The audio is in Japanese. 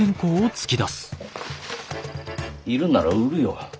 要るんなら売るよ。